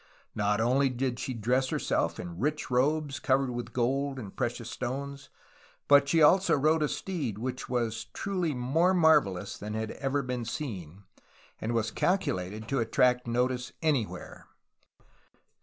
Not only did she dress her self in rich robes covered with gold and precious stones, but she also rode a steed which was truly "more marvelous than had ever been seen" and calculated to attract notice any where.